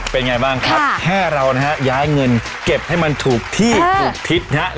เป็นไงบ้างครับแค่เรานะฮะย้ายเงินเก็บให้มันถูกที่ถูกทิศนะครับ